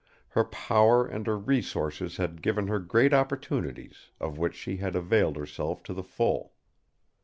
Her power and her resources had given her great opportunities, of which she had availed herself to the full.